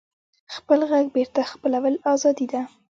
خپل غږ بېرته خپلول ازادي ده.